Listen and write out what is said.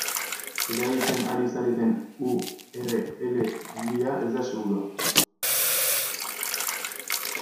Erabiltzen ari zareten u erre ele helbidea ez da segurua.